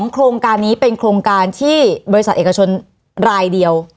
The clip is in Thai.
โครงการนี้เป็นโครงการที่บริษัทเอกชนรายเดียว